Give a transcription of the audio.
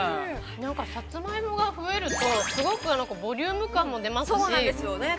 ◆さつまいもが増えると、すごくボリューム感も出ますし。